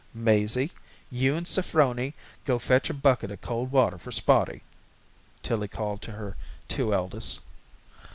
"Mazie, you and Saphroney go fetch a bucket of cold water for Spotty," Tillie called to her two eldest.